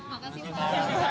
terima kasih pak